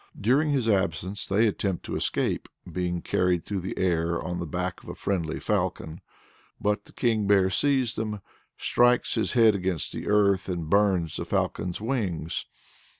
During his absence they attempt to escape being carried through the air on the back of a friendly falcon, but the King Bear sees them, "strikes his head against the earth, and burns the falcon's wings."